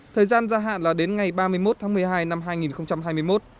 thời gian gia hạn là đến ngày ba mươi một tháng một mươi hai năm hai nghìn hai mươi một